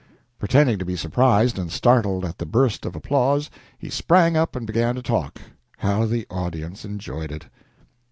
Pretending to be surprised and startled at the burst of applause, he sprang up and began to talk. How the audience enjoyed it!